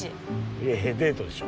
いやいやデートでしょ。